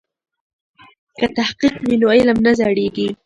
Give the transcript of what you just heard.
که تحقیق وي نو علم نه زړیږي.